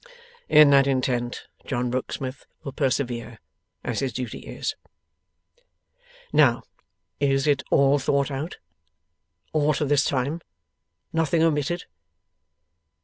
In that intent John Rokesmith will persevere, as his duty is. 'Now, is it all thought out? All to this time? Nothing omitted?